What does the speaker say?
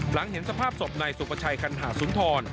หลังเห็นสภาพศพนายสุประชัยกัณหาสุนทร